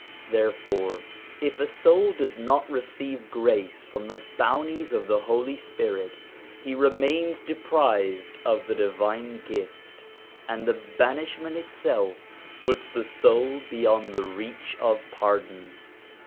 Therefore, if a soul does not receive grace from the bounties of the Holy Spirit, he remains deprived of the divine gift, and the banishment itself puts the soul beyond the reach of pardon.